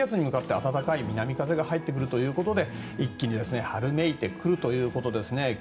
暖かい南風が入ってくるということで一気に春めいてくるということですね。